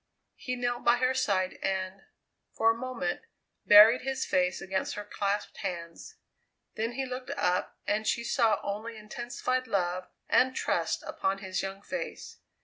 He knelt by her side and, for a moment, buried his face against her clasped hands; then he looked up and she saw only intensified love and trust upon his young face.